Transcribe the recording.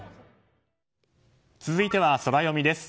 続いてはソラよみです。